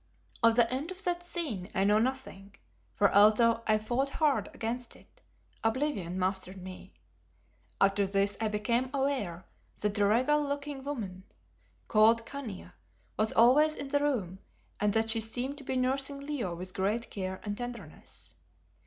Of the end of that scene I know nothing, for although I fought hard against it, oblivion mastered me. After this I became aware that the regal looking woman called Khania, was always in the room, and that she seemed to be nursing Leo with great care and tenderness.